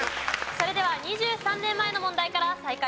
それでは２３年前の問題から再開です。